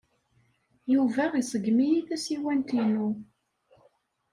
Yuba iṣeggem-iyi tasiwant-inu.